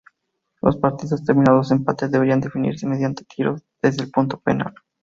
Los partidos terminados en empate debían definirse mediante tiros desde el punto penal.